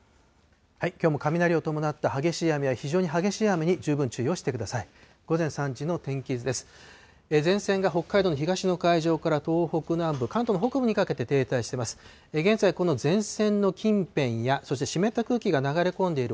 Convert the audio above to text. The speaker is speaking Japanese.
きょうも雷を伴って激しい雨や非常に激しい雨に十分注意をしてください。